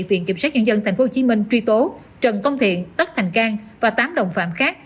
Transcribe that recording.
viện kiểm sát nhân dân tp hcm truy tố trần công thiện tất thành cang và tám đồng phạm khác